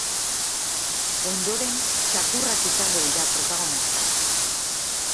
Ondoren, txakurrak izango dira protagonistak.